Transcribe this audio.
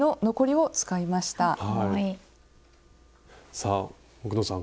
さあ奥野さん